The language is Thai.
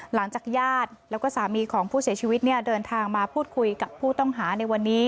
หลังจากญาติแล้วก็สามีของผู้เสียชีวิตเนี่ยเดินทางมาพูดคุยกับผู้ต้องหาในวันนี้